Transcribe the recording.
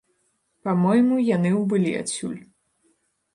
Па-мойму, яны ўбылі адсюль.